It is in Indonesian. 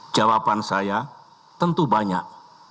jawaban saya tentu banyak